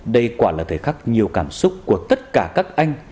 đây quả là thời khắc nhiều cảm xúc của tất cả các anh